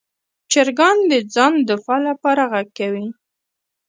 چرګان د ځان دفاع لپاره غږ کوي.